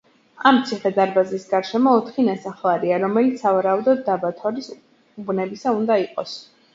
ამ ციხე-დარბაზის გარშემო ოთხი ნასახლარია, რომელიც სავარაუდოდ დაბა თორის უბნები უნდა იყოს.